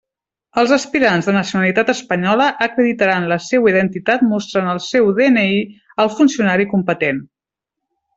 Els aspirants de nacionalitat espanyola acreditaran la seua identitat mostrant el seu DNI al funcionari competent.